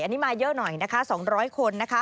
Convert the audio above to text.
อันนี้มาเยอะหน่อยนะคะ๒๐๐คนนะคะ